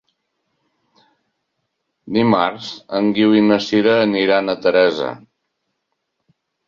Dimarts en Guiu i na Sira aniran a Teresa.